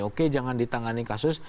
oke jangan ditangani kasus